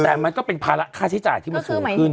แต่มันก็เป็นภาระค่าใช้จ่ายที่มันสูงขึ้น